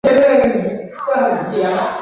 文献里常见到两种电势的多极展开方法。